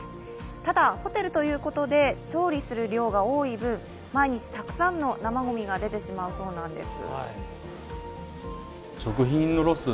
ただホテルということで調理する量が多い分、毎日、たくさんの生ごみが出てしまうそうなんです。